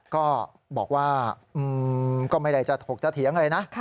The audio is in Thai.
ก็บอกว่าก็ไม่ได้จะถกจะเถียงอะไรนะ